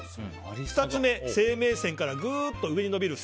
２つ目、生命線からぐっと上に伸びる線。